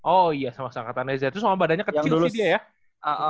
oh iya sama seangkatan reza terus sama badannya kecil sih dia ya